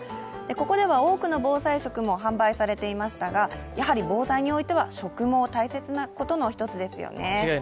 ここでは多くの防災食も販売されていましたが、やはり防災においては食も大切なことの一つですよね。